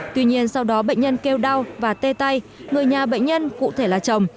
tuy nhiên sau đó bệnh nhân kêu đau và tê tay người nhà bệnh nhân cụ thể là chồng